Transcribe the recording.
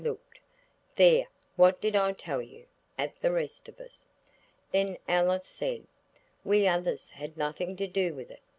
looked, "There, what did I tell you?" at the rest of us. Then Alice said, "We others had nothing to do with it.